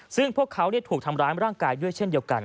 ซึ่งพวกเขาถูกทำร้ายร่างกายด้วยเช่นเดียวกัน